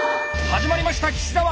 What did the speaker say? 始まりました岸澤。